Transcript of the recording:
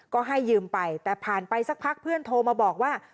ก็ให้ยืมไปแต่ผ่านไปสักพักเพื่อนโทรมาบอกว่า